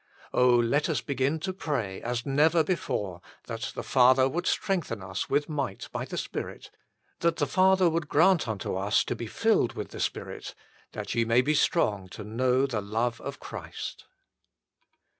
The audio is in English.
let us begin to pray, as never before, that the Father would strengthen us with might by the Spirit ; that the Father would grant unto us to be filled with the Spirit ; that ye may be strong to know the love of Christ.